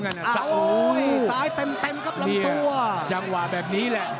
โอ้โหซ้ายเต็มครับลำตัวจังหวะแบบนี้แหละ